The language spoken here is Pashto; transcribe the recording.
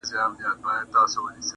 زه د مایوسۍ خبرې نه کړم نه روغېږي